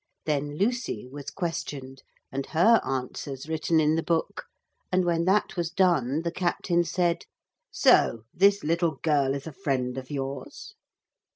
Then Lucy was questioned and her answers written in the book, and when that was done the captain said: 'So this little girl is a friend of yours?'